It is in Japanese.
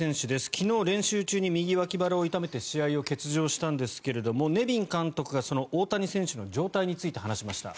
昨日、練習中に右脇腹を痛めて試合を欠場したんですがネビン監督がその大谷選手の状態について話しました。